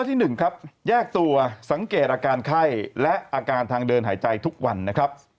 ที่๑ครับแยกตัวสังเกตอาการไข้และอาการทางเดินหายใจทุกวันนะครับ